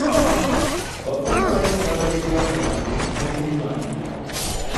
Abavubuka balina okwagala eggwanga lyabwe n'okulirwanirira.